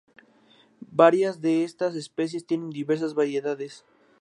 Varias de estas especies tienen diversas variedades.